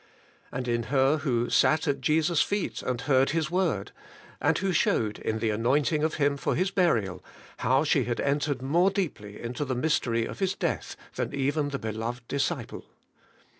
' And in her who 'sat at Jesus' feet, and heard His word,' and who showed, in the anointing Him for His burial, how she had entered more deeply into the mystery of His death than even the beloved disciple.